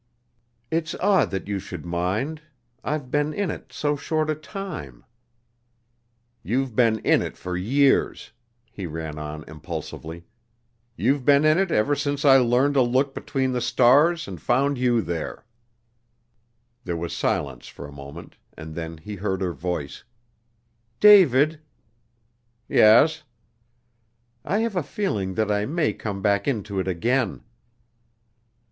"It's odd that you should mind I've been in it so short a time." "You've been in it for years," he ran on impulsively. "You've been in it ever since I learned to look between the stars and found you there." There was silence for a moment, and then he heard her voice, "David." "Yes." "I have a feeling that I may come back into it again."